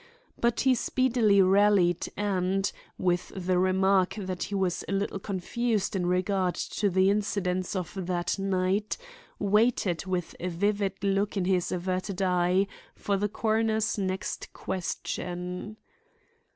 But he speedily rallied and, with the remark that he was a little confused in regard to the incidents of that night, waited with a wild look in his averted eye for the coroner's next question.